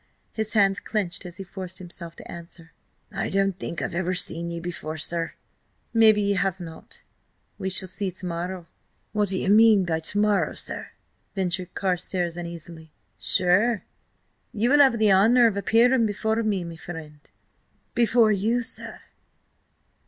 His hands clenched as he forced himself to answer: "I don't think I've ever seen ye afore, sir." "Maybe ye have not. We shall see to morrow." "What do ye mean by to morrow, sir?" ventured Carstares uneasily. "Sure, ye will have the honour of appearing before me, me friend." "Before you, sir?"